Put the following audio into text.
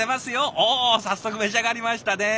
おっ早速召し上がりましたね。